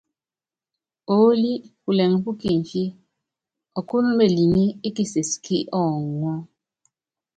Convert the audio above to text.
Oól pulɛŋ pú kimfi, ɔkɔ́n meliŋí é kises kí ɔŋɔ́.